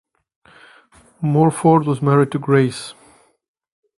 Morford was married to Grace.